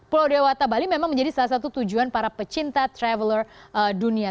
pulau dewata bali memang menjadi salah satu tujuan para pecinta traveler dunia